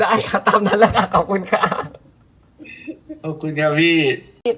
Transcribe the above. ได้ค่ะตามนั้นแหละค่ะขอบคุณค่ะขอบคุณค่ะพี่